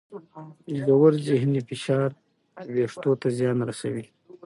ژور ذهني فشار وېښتو ته زیان رسوي.